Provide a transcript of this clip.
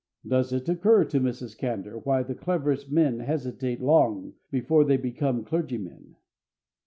Does it occur to Mrs. Candour why the cleverest men hesitate long before they become clergymen?